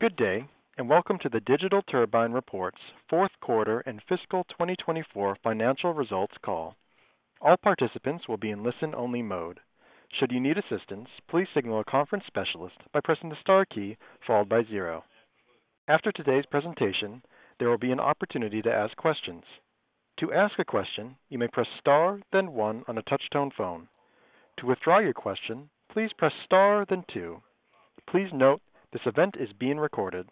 Good day and welcome to the Digital Turbine's reports fourth quarter and fiscal 2024 financial results call. All participants will be in listen-only mode. Should you need assistance, please signal a conference specialist by pressing the star key followed by 0. After today's presentation, there will be an opportunity to ask questions. To ask a question, you may press star then 1 on a touch-tone phone. To withdraw your question, please press star then 2. Please note, this event is being recorded.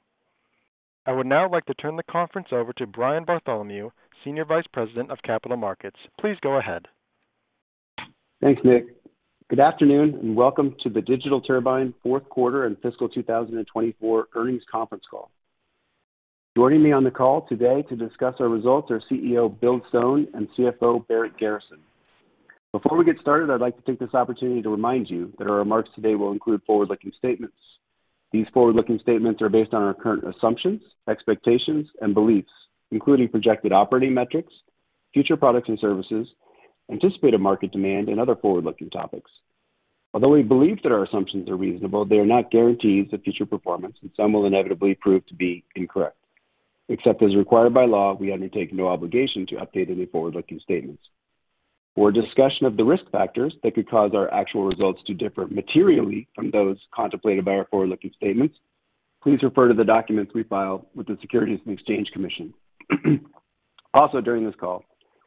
I would now like to turn the conference over to Brian Bartholomew, Senior Vice President of Capital Markets. Please go ahead. Thanks, Nick. Good afternoon and welcome to the Digital Turbine fourth quarter and fiscal 2024 earnings conference call. Joining me on the call today to discuss our results are CEO Bill Stone and CFO Barrett Garrison. Before we get started, I'd like to take this opportunity to remind you that our remarks today will include forward-looking statements. These forward-looking statements are based on our current assumptions, expectations, and beliefs, including projected operating metrics, future products and services, anticipated market demand, and other forward-looking topics. Although we believe that our assumptions are reasonable, they are not guarantees of future performance, and some will inevitably prove to be incorrect. Except as required by law, we undertake no obligation to update any forward-looking statements. For discussion of the risk factors that could cause our actual results to differ materially from those contemplated by our forward-looking statements, please refer to the documents we file with the Securities and Exchange Commission. Also, during this call,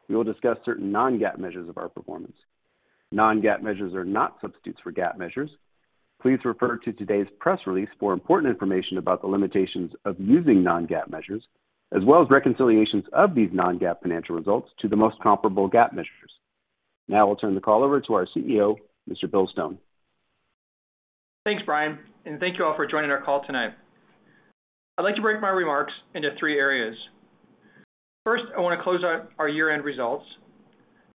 we will discuss certain non-GAAP measures of our performance. Non-GAAP measures are not substitutes for GAAP measures. Please refer to today's press release for important information about the limitations of using non-GAAP measures, as well as reconciliations of these non-GAAP financial results to the most comparable GAAP measures. Now I'll turn the call over to our CEO, Mr. Bill Stone. Thanks, Brian, and thank you all for joining our call tonight. I'd like to break my remarks into three areas. First, I want to close out our year-end results.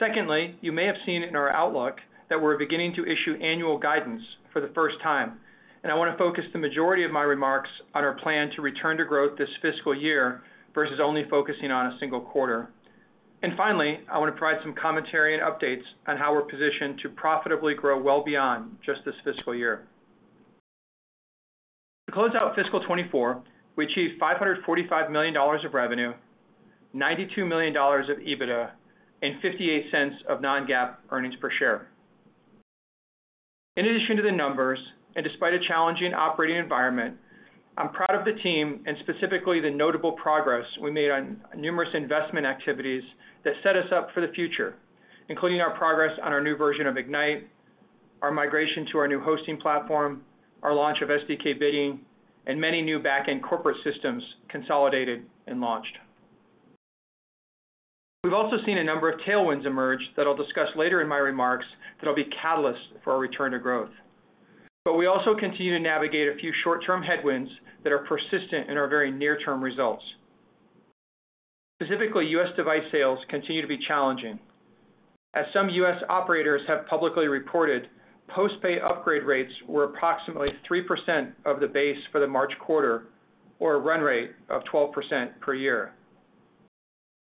Secondly, you may have seen in our outlook that we're beginning to issue annual guidance for the first time, and I want to focus the majority of my remarks on our plan to return to growth this fiscal year versus only focusing on a single quarter. Finally, I want to provide some commentary and updates on how we're positioned to profitably grow well beyond just this fiscal year. To close out fiscal 2024, we achieved $545 million of revenue, $92 million of EBITDA, and $0.58 of non-GAAP earnings per share. In addition to the numbers, and despite a challenging operating environment, I'm proud of the team and specifically the notable progress we made on numerous investment activities that set us up for the future, including our progress on our new version of Ignite, our migration to our new hosting platform, our launch of SDK Bidding, and many new back-end corporate systems consolidated and launched. We've also seen a number of tailwinds emerge that I'll discuss later in my remarks that will be catalysts for our return to growth. But we also continue to navigate a few short-term headwinds that are persistent in our very near-term results. Specifically, U.S. device sales continue to be challenging. As some U.S. operators have publicly reported, postpaid upgrade rates were approximately 3% of the base for the March quarter, or a run rate of 12% per year.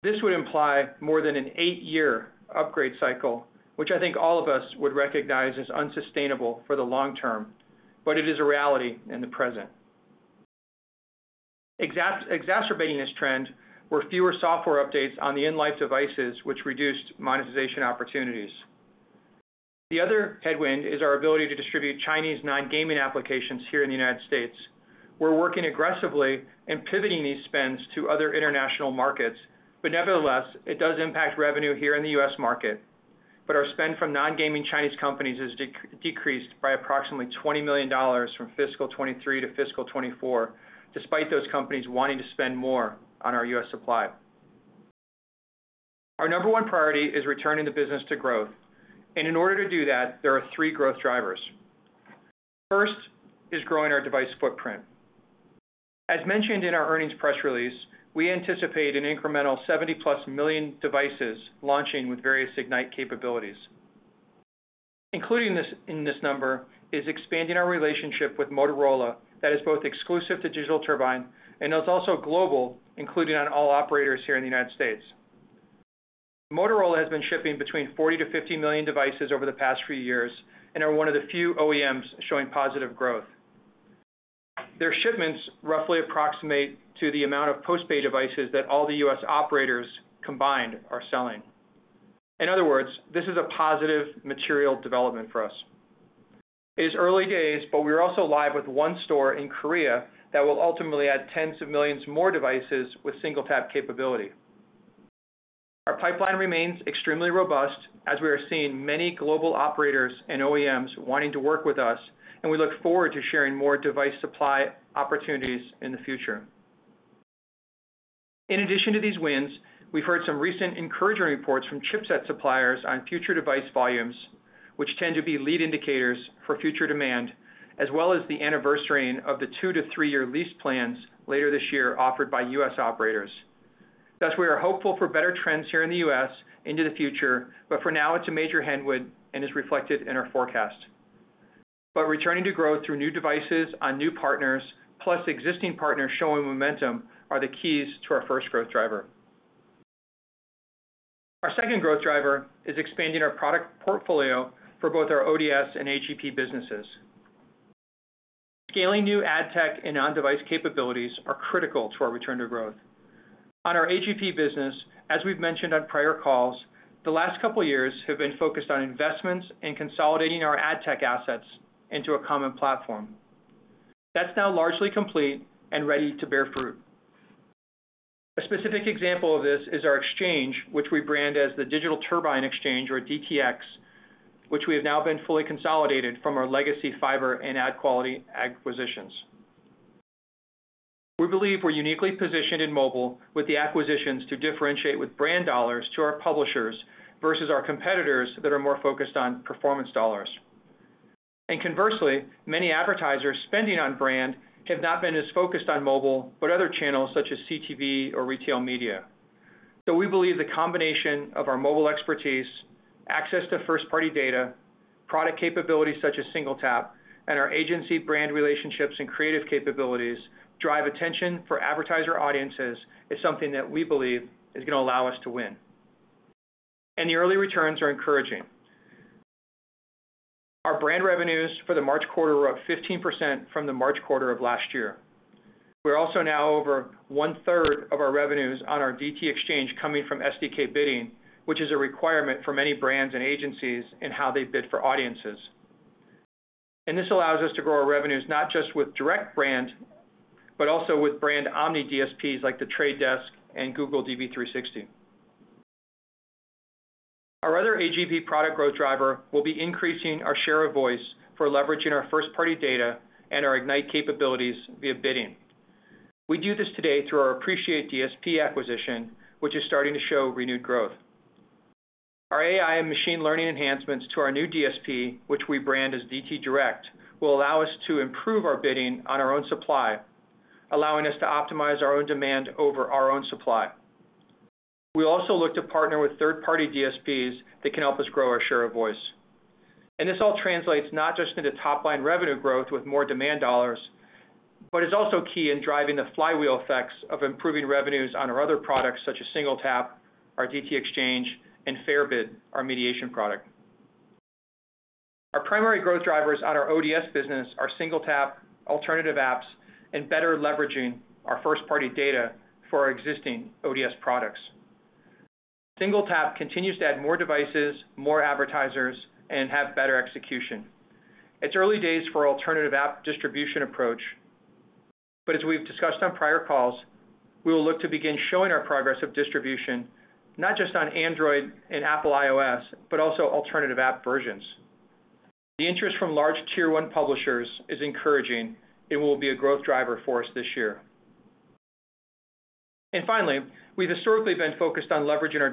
This would imply more than an 8-year upgrade cycle, which I think all of us would recognize as unsustainable for the long term, but it is a reality in the present. Exacerbating this trend were fewer software updates on the in-life devices, which reduced monetization opportunities. The other headwind is our ability to distribute Chinese non-gaming applications here in the United States. We're working aggressively and pivoting these spends to other international markets, but nevertheless, it does impact revenue here in the U.S. market. But our spend from non-gaming Chinese companies has decreased by approximately $20 million from fiscal 2023 to fiscal 2024, despite those companies wanting to spend more on our U.S. supply. Our number one priority is returning the business to growth. In order to do that, there are three growth drivers. First is growing our device footprint. As mentioned in our earnings press release, we anticipate an incremental 70+ million devices launching with various Ignite capabilities. Included in this number is expanding our relationship with Motorola that is both exclusive to Digital Turbine and is also global, including on all operators here in the United States. Motorola has been shipping between 40-50 million devices over the past few years and are one of the few OEMs showing positive growth. Their shipments roughly approximate to the amount of post-pay devices that all the U.S. operators combined are selling. In other words, this is a positive material development for us. It is early days, but we are also live with ONE Store in Korea that will ultimately add tens of millions more devices with singleTap capability. Our pipeline remains extremely robust, as we are seeing many global operators and OEMs wanting to work with us, and we look forward to sharing more device supply opportunities in the future. In addition to these wins, we've heard some recent encouraging reports from chipset suppliers on future device volumes, which tend to be lead indicators for future demand, as well as the anniversary of the 2- to 3-year lease plans later this year offered by U.S. operators. Thus, we are hopeful for better trends here in the U.S. into the future, but for now it's a major headwind and is reflected in our forecast. But returning to growth through new devices on new partners, plus existing partners showing momentum, are the keys to our first growth driver. Our second growth driver is expanding our product portfolio for both our ODS and AGP businesses. Scaling new ad tech and on-device capabilities are critical to our return to growth. On our AGP business, as we've mentioned on prior calls, the last couple of years have been focused on investments and consolidating our ad tech assets into a common platform. That's now largely complete and ready to bear fruit. A specific example of this is our exchange, which we brand as the Digital Turbine Exchange, or DTX, which we have now been fully consolidated from our legacy Fyber and AdColony acquisitions. We believe we're uniquely positioned in mobile with the acquisitions to differentiate with brand dollars to our publishers versus our competitors that are more focused on performance dollars. And conversely, many advertisers spending on brand have not been as focused on mobile but other channels such as CTV or retail media. Though we believe the combination of our mobile expertise, access to first-party data, product capabilities such as SingleTap, and our agency-brand relationships and creative capabilities drive attention for advertiser audiences is something that we believe is going to allow us to win. The early returns are encouraging. Our brand revenues for the March quarter were up 15% from the March quarter of last year. We're also now over one-third of our revenues on our DT Exchange coming from SDK bidding, which is a requirement for many brands and agencies in how they bid for audiences. And this allows us to grow our revenues not just with direct brand but also with brand omni-DSPs like The Trade Desk and Google DV360. Our other AGP product growth driver will be increasing our share of voice for leveraging our first-party data and our Ignite capabilities via bidding. We do this today through our Appreciate DSP acquisition, which is starting to show renewed growth. Our AI and machine learning enhancements to our new DSP, which we brand as DT Direct, will allow us to improve our bidding on our own supply, allowing us to optimize our own demand over our own supply. We also look to partner with third-party DSPs that can help us grow our share of voice. This all translates not just into top-line revenue growth with more demand dollars, but is also key in driving the flywheel effects of improving revenues on our other products such as single-tap, our DT Exchange, and FairBid, our mediation product. Our primary growth drivers on our ODS business are singleTAp, alternative apps, and better leveraging our first-party data for our existing ODS products. Single-tap continues to add more devices, more advertisers, and have better execution. It's early days for our alternative app distribution approach. As we've discussed on prior calls, we will look to begin showing our progress of distribution not just on Android and Apple iOS but also alternative app versions. The interest from large tier-one publishers is encouraging, and will be a growth driver for us this year. Finally, we've historically been focused on leveraging our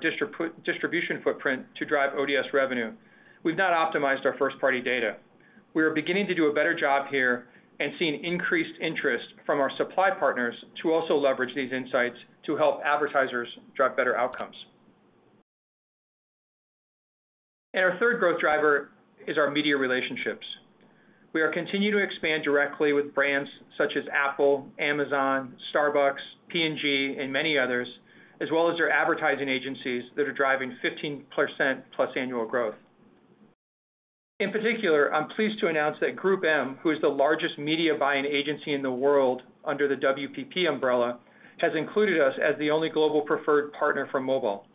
distribution footprint to drive ODS revenue. We've not optimized our first-party data. We are beginning to do a better job here and seeing increased interest from our supply partners to also leverage these insights to help advertisers drive better outcomes. Our third growth driver is our media relationships. We are continuing to expand directly with brands such as Apple, Amazon, Starbucks, P&G, and many others, as well as their advertising agencies that are driving 15%+ annual growth. In particular, I'm pleased to announce that GroupM, who is the largest media buying agency in the world under the WPP umbrella, has included us as the only global preferred partner for mobile.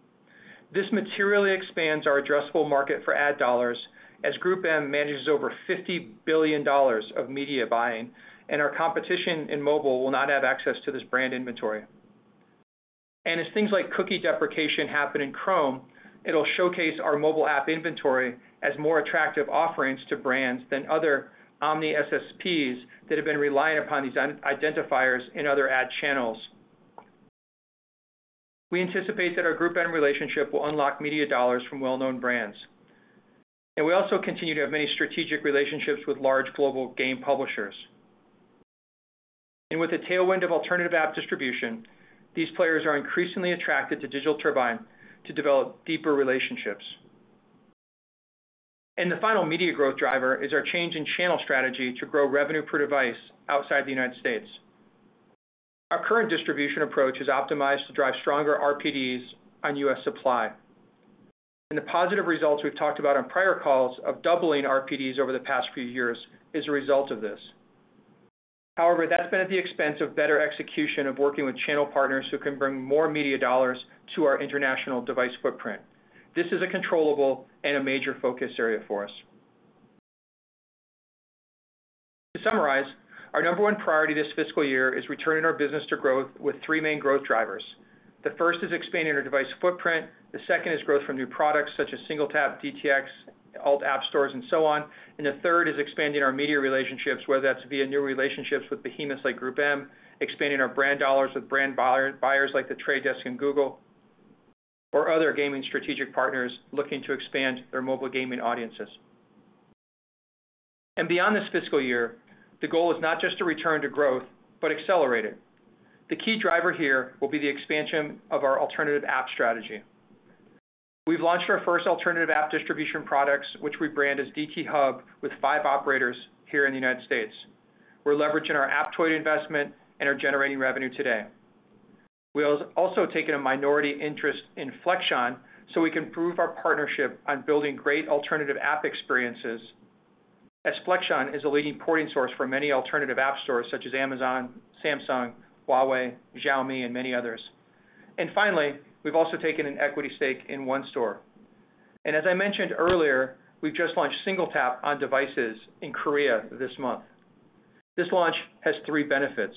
This materially expands our addressable market for ad dollars as GroupM manages over $50 billion of media buying, and our competition in mobile will not have access to this brand inventory. And as things like cookie deprecation happen in Chrome, it'll showcase our mobile app inventory as more attractive offerings to brands than other omni-SSPs that have been reliant upon these identifiers in other ad channels. We anticipate that our GroupM relationship will unlock media dollars from well-known brands. And we also continue to have many strategic relationships with large global game publishers. And with a tailwind of alternative app distribution, these players are increasingly attracted to Digital Turbine to develop deeper relationships. The final media growth driver is our change in channel strategy to grow revenue per device outside the United States. Our current distribution approach is optimized to drive stronger RPDs on U.S. supply. The positive results we've talked about on prior calls of doubling RPDs over the past few years is a result of this. However, that's been at the expense of better execution of working with channel partners who can bring more media dollars to our international device footprint. This is a controllable and a major focus area for us. To summarize, our number one priority this fiscal year is returning our business to growth with three main growth drivers. The first is expanding our device footprint. The second is growth from new products such as SingleTap, DTX, alt app stores, and so on. The third is expanding our media relationships, whether that's via new relationships with behemoths like GroupM, expanding our brand dollars with brand buyers like The Trade Desk and Google, or other gaming strategic partners looking to expand their mobile gaming audiences. Beyond this fiscal year, the goal is not just to return to growth but accelerate it. The key driver here will be the expansion of our alternative app strategy. We've launched our first alternative app distribution products, which we brand as DT Hub, with five operators here in the United States. We're leveraging our Aptoide investment and are generating revenue today. We have also taken a minority interest in Flexion so we can prove our partnership on building great alternative app experiences, as Flexion is a leading porting source for many alternative app stores such as Amazon, Samsung, Huawei, Xiaomi, and many others. And finally, we've also taken an equity stake in ONE Store. And as I mentioned earlier, we've just launched SingleTap on devices in Korea this month. This launch has three benefits.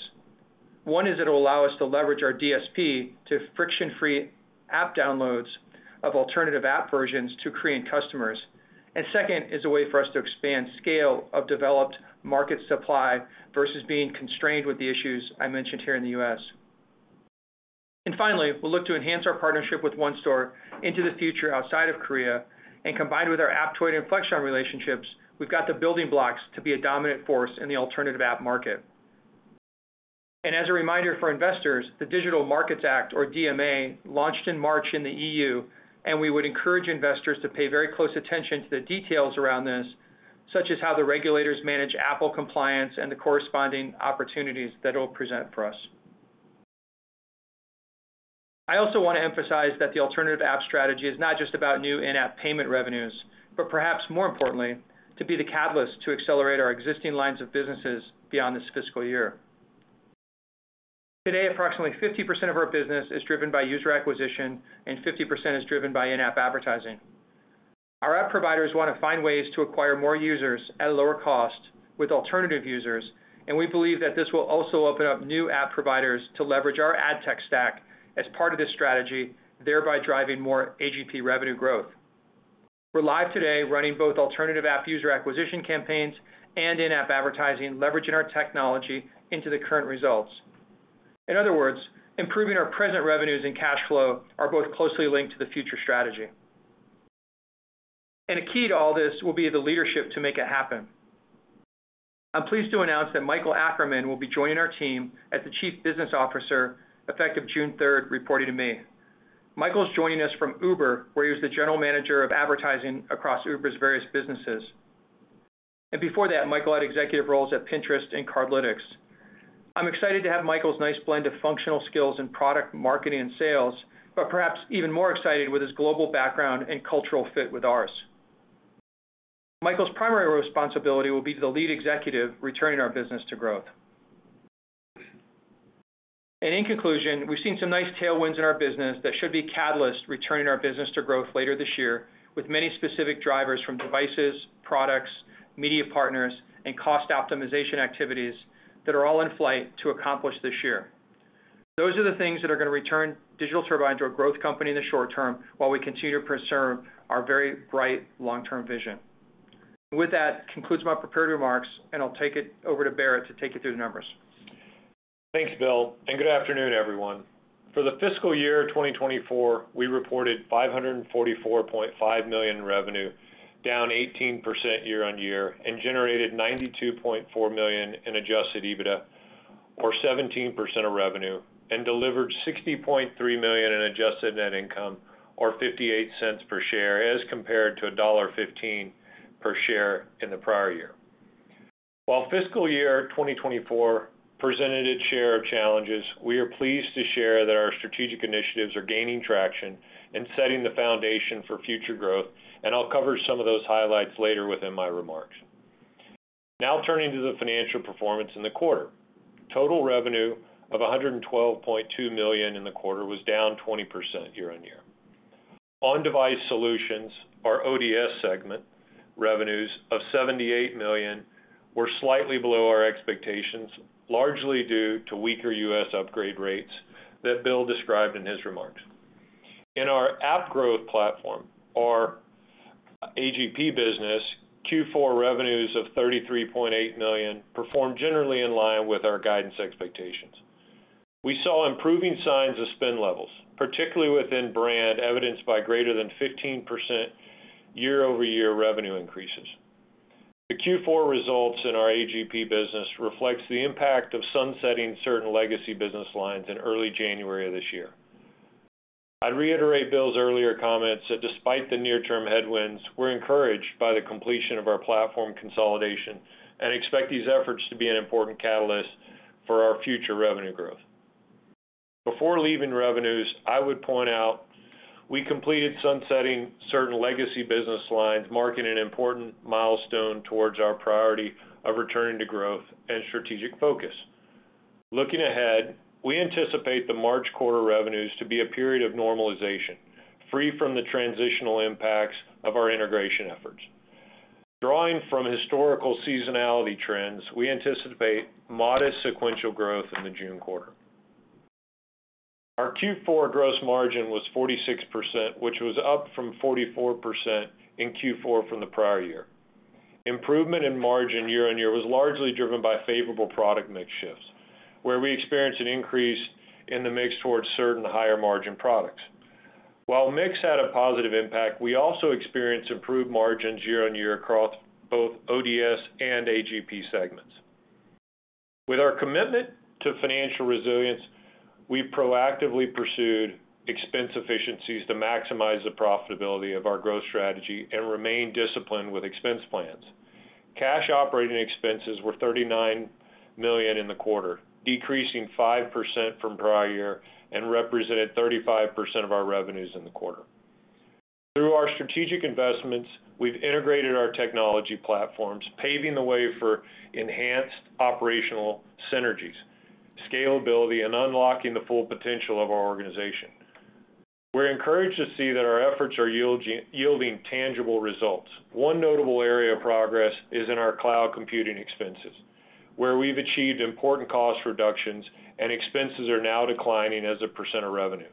One is it'll allow us to leverage our DSP to friction-free app downloads of alternative app versions to Korean customers. And second is a way for us to expand scale of developed market supply versus being constrained with the issues I mentioned here in the U.S. And finally, we'll look to enhance our partnership with ONE Store into the future outside of Korea. And combined with our Aptoide and Flexion relationships, we've got the building blocks to be a dominant force in the alternative app market. As a reminder for investors, the Digital Markets Act, or DMA, launched in March in the EU, and we would encourage investors to pay very close attention to the details around this, such as how the regulators manage Apple compliance and the corresponding opportunities that it'll present for us. I also want to emphasize that the alternative app strategy is not just about new in-app payment revenues, but perhaps more importantly, to be the catalyst to accelerate our existing lines of businesses beyond this fiscal year. Today, approximately 50% of our business is driven by user acquisition, and 50% is driven by in-app advertising. Our app providers want to find ways to acquire more users at a lower cost with alternative users, and we believe that this will also open up new app providers to leverage our ad tech stack as part of this strategy, thereby driving more AGP revenue growth. We're live today running both alternative app user acquisition campaigns and in-app advertising, leveraging our technology into the current results. In other words, improving our present revenues and cash flow are both closely linked to the future strategy. And a key to all this will be the leadership to make it happen. I'm pleased to announce that Michael Ackerman will be joining our team as the Chief Business Officer, effective June 3, reporting to me. Michael's joining us from Uber, where he was the General Manager of Advertising across Uber's various businesses. And before that, Michael had executive roles at Pinterest and Cardlytics. I'm excited to have Michael's nice blend of functional skills in product, marketing, and sales, but perhaps even more excited with his global background and cultural fit with ours. Michael's primary responsibility will be to the lead executive returning our business to growth. In conclusion, we've seen some nice tailwinds in our business that should be catalysts returning our business to growth later this year, with many specific drivers from devices, products, media partners, and cost optimization activities that are all in flight to accomplish this year. Those are the things that are going to return Digital Turbine to a growth company in the short term while we continue to preserve our very bright long-term vision. With that, concludes my prepared remarks, and I'll take it over to Barrett to take you through the numbers. Thanks, Bill. And good afternoon, everyone. For the fiscal year 2024, we reported $544.5 million in revenue, down 18% year-over-year, and generated $92.4 million in adjusted EBITDA, or 17% of revenue, and delivered $60.3 million in adjusted net income, or $0.58 per share, as compared to $1.15 per share in the prior year. While fiscal year 2024 presented its share of challenges, we are pleased to share that our strategic initiatives are gaining traction and setting the foundation for future growth, and I'll cover some of those highlights later within my remarks. Now turning to the financial performance in the quarter. Total revenue of $112.2 million in the quarter was down 20% year-over-year. On-device solutions, our ODS segment revenues of $78 million were slightly below our expectations, largely due to weaker U.S. upgrade rates that Bill described in his remarks. In our app growth platform, our AGP business, Q4 revenues of $33.8 million, performed generally in line with our guidance expectations. We saw improving signs of spend levels, particularly within brand evidenced by greater than 15% year-over-year revenue increases. The Q4 results in our AGP business reflects the impact of sunsetting certain legacy business lines in early January of this year. I'd reiterate Bill's earlier comments that despite the near-term headwinds, we're encouraged by the completion of our platform consolidation and expect these efforts to be an important catalyst for our future revenue growth. Before leaving revenues, I would point out we completed sunsetting certain legacy business lines, marking an important milestone towards our priority of returning to growth and strategic focus. Looking ahead, we anticipate the March quarter revenues to be a period of normalization, free from the transitional impacts of our integration efforts. Drawing from historical seasonality trends, we anticipate modest sequential growth in the June quarter. Our Q4 gross margin was 46%, which was up from 44% in Q4 from the prior year. Improvement in margin year-on-year was largely driven by favorable product mix shifts, where we experienced an increase in the mix towards certain higher-margin products. While mix had a positive impact, we also experienced improved margins year-on-year across both ODS and AGP segments. With our commitment to financial resilience, we proactively pursued expense efficiencies to maximize the profitability of our growth strategy and remain disciplined with expense plans. Cash operating expenses were $39 million in the quarter, decreasing 5% from prior year and represented 35% of our revenues in the quarter. Through our strategic investments, we've integrated our technology platforms, paving the way for enhanced operational synergies, scalability, and unlocking the full potential of our organization. We're encouraged to see that our efforts are yielding tangible results. One notable area of progress is in our cloud computing expenses, where we've achieved important cost reductions and expenses are now declining as a % of revenue,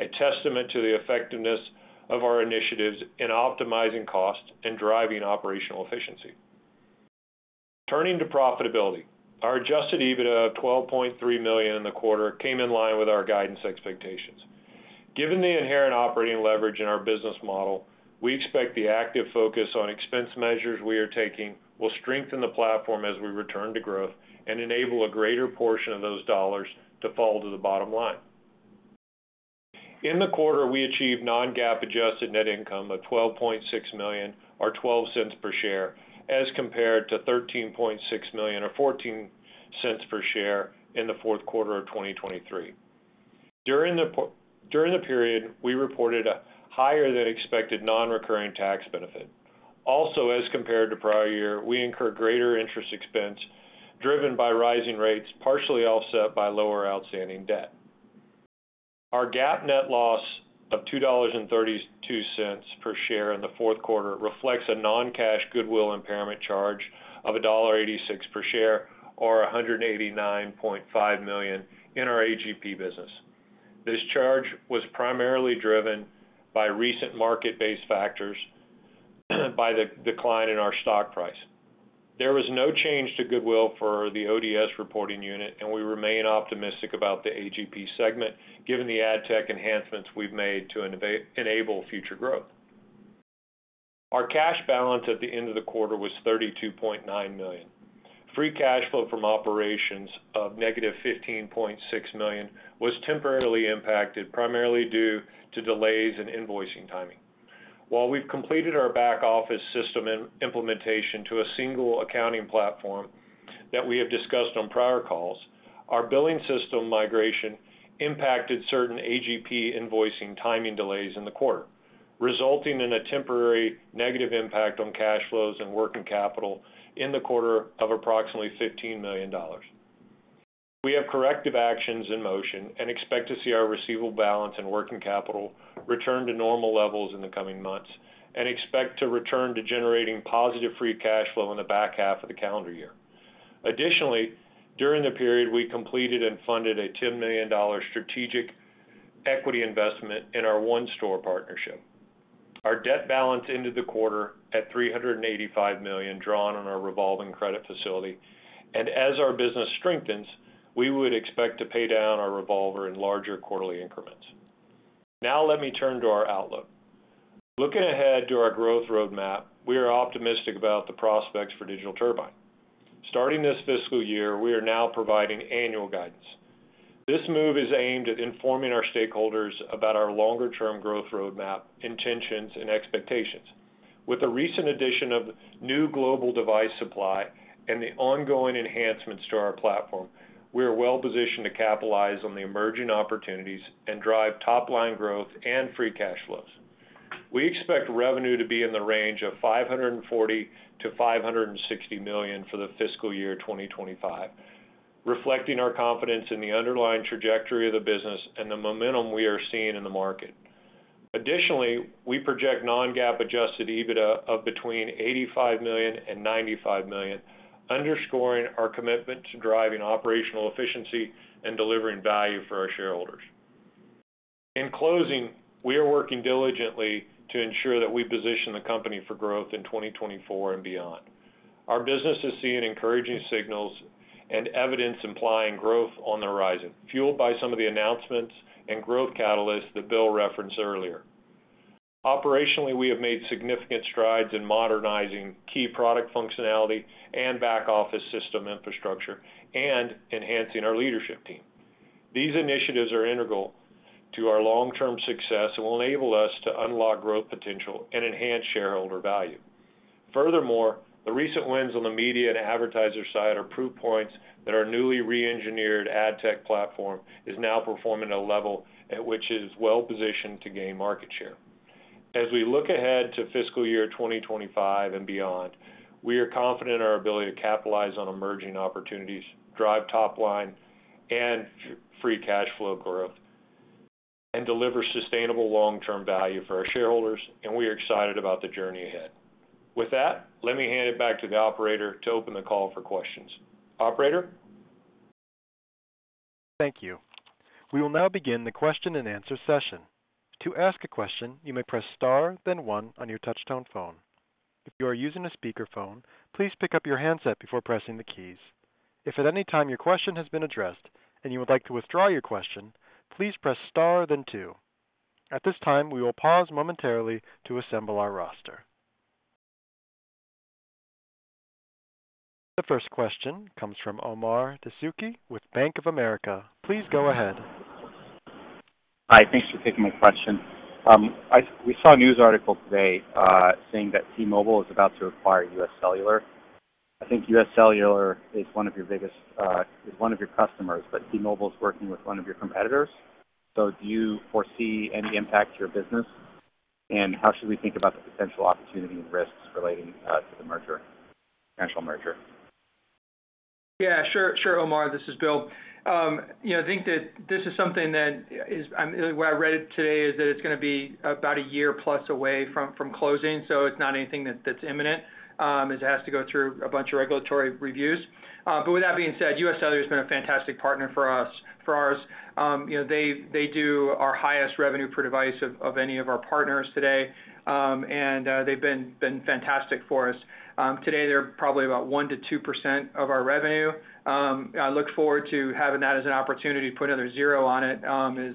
a testament to the effectiveness of our initiatives in optimizing cost and driving operational efficiency. Turning to profitability, our adjusted EBITDA of $12.3 million in the quarter came in line with our guidance expectations. Given the inherent operating leverage in our business model, we expect the active focus on expense measures we are taking will strengthen the platform as we return to growth and enable a greater portion of those dollars to fall to the bottom line. In the quarter, we achieved non-GAAP adjusted net income of $12.6 million, or $0.12 per share, as compared to $13.6 million, or $0.14 per share, in the fourth quarter of 2023. During the period, we reported a higher-than-expected non-recurring tax benefit. Also, as compared to prior year, we incurred greater interest expense driven by rising rates, partially offset by lower outstanding debt. Our GAAP net loss of $2.32 per share in the fourth quarter reflects a non-cash goodwill impairment charge of $1.86 per share, or $189.5 million, in our AGP business. This charge was primarily driven by recent market-based factors, by the decline in our stock price. There was no change to goodwill for the ODS reporting unit, and we remain optimistic about the AGP segment given the ad tech enhancements we've made to enable future growth. Our cash balance at the end of the quarter was $32.9 million. Free cash flow from operations of -$15.6 million was temporarily impacted, primarily due to delays in invoicing timing. While we've completed our back-office system implementation to a single accounting platform that we have discussed on prior calls, our billing system migration impacted certain AGP invoicing timing delays in the quarter, resulting in a temporary negative impact on cash flows and working capital in the quarter of approximately $15 million. We have corrective actions in motion and expect to see our receivable balance and working capital return to normal levels in the coming months and expect to return to generating positive free cash flow in the back half of the calendar year. Additionally, during the period, we completed and funded a $10 million strategic equity investment in our ONE Store partnership. Our debt balance ended the quarter at $385 million drawn on our revolving credit facility, and as our business strengthens, we would expect to pay down our revolver in larger quarterly increments. Now let me turn to our outlook. Looking ahead to our growth roadmap, we are optimistic about the prospects for Digital Turbine. Starting this fiscal year, we are now providing annual guidance. This move is aimed at informing our stakeholders about our longer-term growth roadmap, intentions, and expectations. With the recent addition of new global device supply and the ongoing enhancements to our platform, we are well-positioned to capitalize on the emerging opportunities and drive top-line growth and free cash flows. We expect revenue to be in the range of $540-$560 million for the fiscal year 2025, reflecting our confidence in the underlying trajectory of the business and the momentum we are seeing in the market. Additionally, we project non-GAAP adjusted EBITDA of between $85 million and $95 million, underscoring our commitment to driving operational efficiency and delivering value for our shareholders. In closing, we are working diligently to ensure that we position the company for growth in 2024 and beyond. Our business is seeing encouraging signals and evidence implying growth on the horizon, fueled by some of the announcements and growth catalysts that Bill referenced earlier. Operationally, we have made significant strides in modernizing key product functionality and back-office system infrastructure and enhancing our leadership team. These initiatives are integral to our long-term success and will enable us to unlock growth potential and enhance shareholder value. Furthermore, the recent wins on the media and advertiser side are proof points that our newly re-engineered ad tech platform is now performing at a level at which it is well-positioned to gain market share. As we look ahead to fiscal year 2025 and beyond, we are confident in our ability to capitalize on emerging opportunities, drive top-line and free cash flow growth, and deliver sustainable long-term value for our shareholders, and we are excited about the journey ahead. With that, let me hand it back to the operator to open the call for questions. Operator? Thank you. We will now begin the question-and-answer session. To ask a question, you may press star, then 1 on your touch-tone phone. If you are using a speakerphone, please pick up your handset before pressing the keys. If at any time your question has been addressed and you would like to withdraw your question, please press star, then 2. At this time, we will pause momentarily to assemble our roster. The first question comes from Omar Dessouky with Bank of America. Please go ahead. Hi. Thanks for taking my question. We saw a news article today saying that T-Mobile is about to acquire U.S. Cellular. I think U.S. Cellular is one of your biggest customers, but T-Mobile is working with one of your competitors. So do you foresee any impact to your business, and how should we think about the potential opportunity and risks relating to the merger, national merger? Yeah. Sure, Omar. This is Bill. I think that this is something that is what I read today is that it's going to be about a year-plus away from closing, so it's not anything that's imminent as it has to go through a bunch of regulatory reviews. But with that being said, U.S. Cellular has been a fantastic partner for ours. They do our highest revenue per device of any of our partners today, and they've been fantastic for us. Today, they're probably about 1%-2% of our revenue. I look forward to having that as an opportunity to put another zero on it as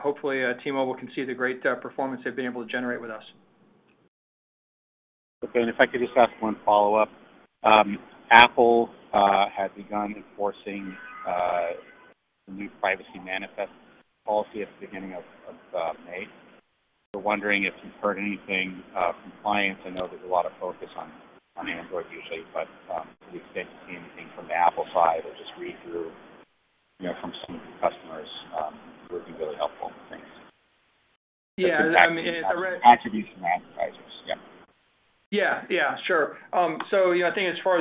hopefully T-Mobile can see the great performance they've been able to generate with us. Okay. If I could just ask one follow-up. Apple had begun enforcing the new Privacy Manifest policy at the beginning of May. We're wondering if you've heard anything from clients. I know there's a lot of focus on Android usually, but to the extent you see anything from the Apple side or just read-through from some of your customers, it would be really helpful. Thanks. Yeah. I mean. Read on attribution for advertisers. Yeah. Yeah. Yeah. Sure. So I think as far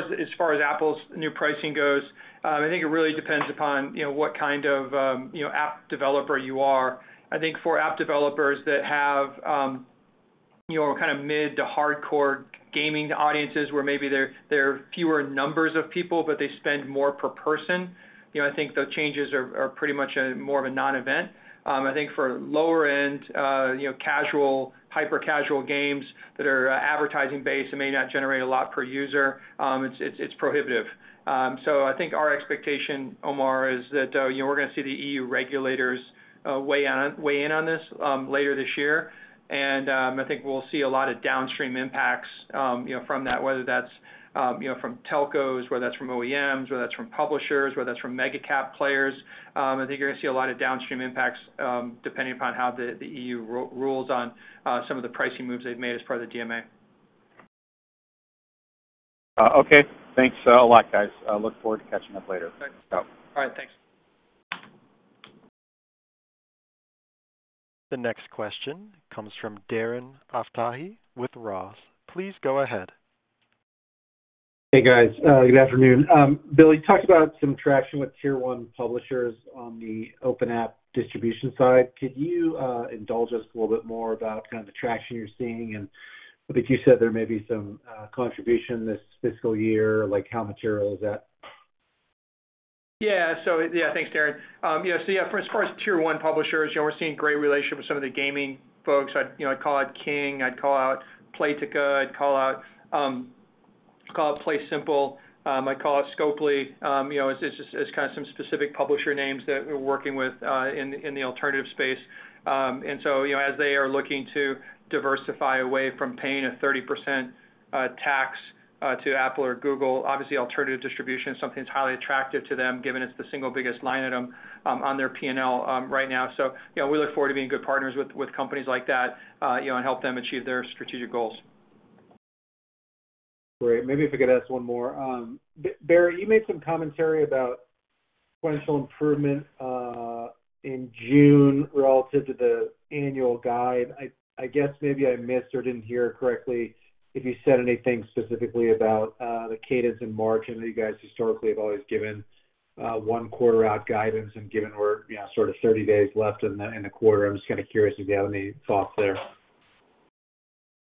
as Apple's new pricing goes, I think it really depends upon what kind of app developer you are. I think for app developers that have kind of mid to hardcore gaming audiences where maybe there are fewer numbers of people but they spend more per person, I think those changes are pretty much more of a non-event. I think for lower-end casual, hyper-casual games that are advertising-based and may not generate a lot per user, it's prohibitive. So I think our expectation, Omar, is that we're going to see the EU regulators weigh in on this later this year, and I think we'll see a lot of downstream impacts from that, whether that's from telcos, whether that's from OEMs, whether that's from publishers, whether that's from mega-cap players. I think you're going to see a lot of downstream impacts depending upon how the EU rules on some of the pricing moves they've made as part of the DMA. Okay. Thanks a lot, guys. I look forward to catching up later. Thanks. All right. Thanks. The next question comes from Darren Aftahi with Roth MKM. Please go ahead. Hey, guys. Good afternoon. Bill, you talked about some traction with tier-one publishers on the open-app distribution side. Could you indulge us a little bit more about kind of the traction you're seeing? And I think you said there may be some contribution this fiscal year. How material is that? Yeah. So yeah, thanks, Darren. So yeah, as far as tier-one publishers, we're seeing great relationship with some of the gaming folks. I'd call out King. I'd call out Playtika. I'd call out PlaySimple. I'd call out Scopely. It's just kind of some specific publisher names that we're working with in the alternative space. And so as they are looking to diversify away from paying a 30% tax to Apple or Google, obviously, alternative distribution is something that's highly attractive to them given it's the single biggest line item on their P&L right now. So we look forward to being good partners with companies like that and help them achieve their strategic goals. Great. Maybe if I could ask one more. Barrett, you made some commentary about potential improvement in June relative to the annual guide. I guess maybe I missed or didn't hear correctly if you said anything specifically about the cadence and margin. I know you guys historically have always given one-quarter-out guidance, and given we're sort of 30 days left in the quarter, I'm just kind of curious if you have any thoughts there.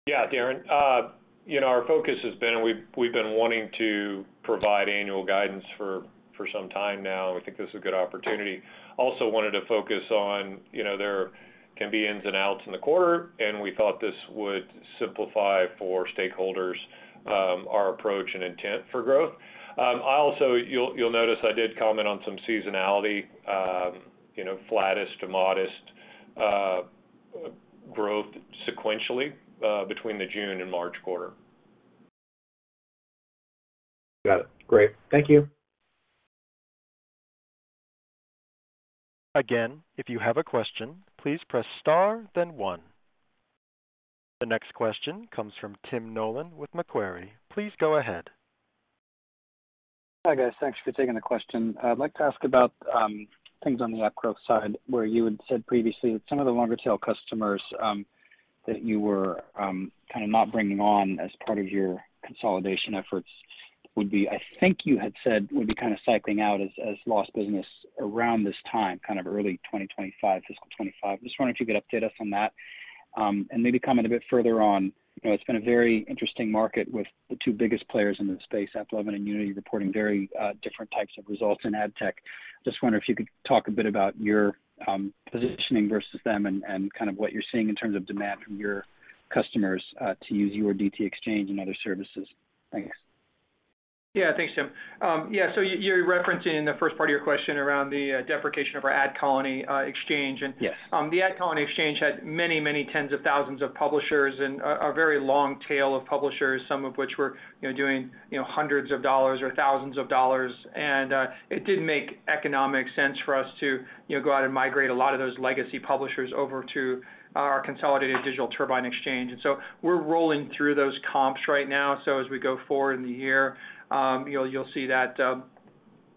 Yeah, Darren. Our focus has been and we've been wanting to provide annual guidance for some time now, and we think this is a good opportunity. Also wanted to focus on there can be ins and outs in the quarter, and we thought this would simplify for stakeholders our approach and intent for growth. Also, you'll notice I did comment on some seasonality, flattest to modest growth sequentially between the June and March quarter. Got it. Great. Thank you. Again, if you have a question, please press star, then 1. The next question comes from Tim Nollen with Macquarie. Please go ahead. Hi, guys. Thanks for taking the question. I'd like to ask about things on the app growth side where you had said previously that some of the longer-tail customers that you were kind of not bringing on as part of your consolidation efforts would be, I think you had said, would be kind of cycling out as lost business around this time, kind of early 2025, fiscal 2025. I'm just wondering if you could update us on that and maybe comment a bit further on, it's been a very interesting market with the two biggest players in the space, AppLovin and Unity, reporting very different types of results in ad tech. Just wondering if you could talk a bit about your positioning versus them and kind of what you're seeing in terms of demand from your customers to use your DT Exchange and other services. Thanks. Yeah. Thanks, Tim. Yeah. So you're referencing in the first part of your question around the deprecation of our AdColony exchange. And the AdColony exchange had many, many tens of thousands of publishers and a very long tail of publishers, some of which were doing hundreds of dollars or thousands of dollars. And it didn't make economic sense for us to go out and migrate a lot of those legacy publishers over to our consolidated Digital Turbine Exchange. And so we're rolling through those comps right now. So as we go forward in the year, you'll see that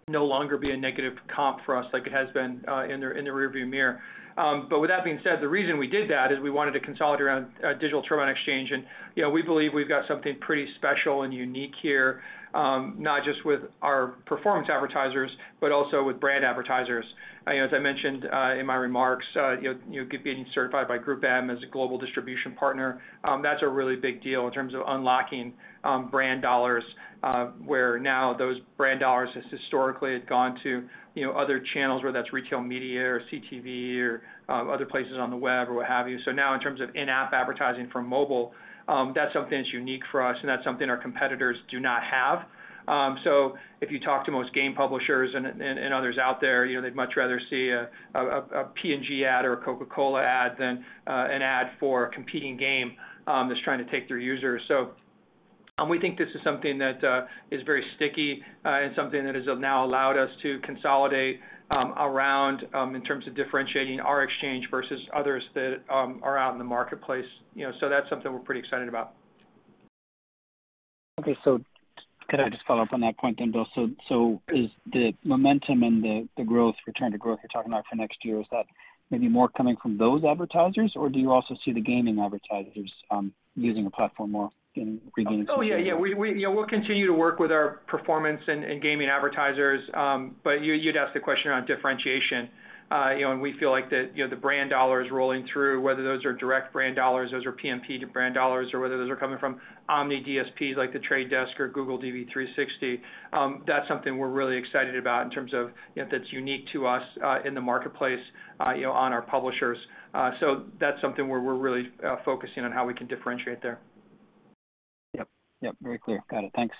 no longer be a negative comp for us like it has been in the rearview mirror. But with that being said, the reason we did that is we wanted to consolidate around Digital Turbine Exchange. We believe we've got something pretty special and unique here, not just with our performance advertisers but also with brand advertisers. As I mentioned in my remarks, getting certified by GroupM as a global distribution partner, that's a really big deal in terms of unlocking brand dollars where now those brand dollars historically had gone to other channels where that's retail media or CTV or other places on the web or what have you. So now in terms of in-app advertising for mobile, that's something that's unique for us, and that's something our competitors do not have. So if you talk to most game publishers and others out there, they'd much rather see a P&G ad or a Coca-Cola ad than an ad for a competing game that's trying to take their users. So we think this is something that is very sticky and something that has now allowed us to consolidate around in terms of differentiating our exchange versus others that are out in the marketplace. So that's something we're pretty excited about. Okay. So could I just follow up on that point then, Bill? So is the momentum and the growth, return to growth, you're talking about for next year, is that maybe more coming from those advertisers, or do you also see the gaming advertisers using the platform more in regaining some? Oh, yeah. Yeah. We'll continue to work with our performance and gaming advertisers. But you'd asked the question around differentiation, and we feel like the brand dollar is rolling through, whether those are direct brand dollars, those are PMP brand dollars, or whether those are coming from any DSPs like the Trade Desk or Google DV360. That's something we're really excited about in terms of that's unique to us in the marketplace on our publishers. So that's something where we're really focusing on how we can differentiate there. Yep. Yep. Very clear. Got it. Thanks.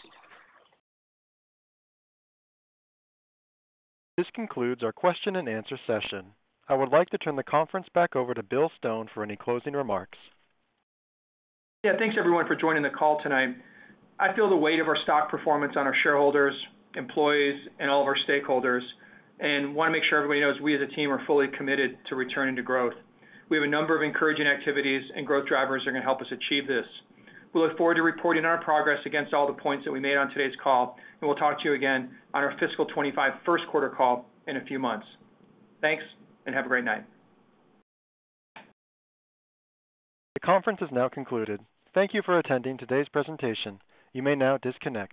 This concludes our question-and-answer session. I would like to turn the conference back over to Bill Stone for any closing remarks. Yeah. Thanks, everyone, for joining the call tonight. I feel the weight of our stock performance on our shareholders, employees, and all of our stakeholders and want to make sure everybody knows we as a team are fully committed to returning to growth. We have a number of encouraging activities, and growth drivers are going to help us achieve this. We look forward to reporting on our progress against all the points that we made on today's call, and we'll talk to you again on our fiscal 2025 first-quarter call in a few months. Thanks and have a great night. The conference has now concluded. Thank you for attending today's presentation. You may now disconnect.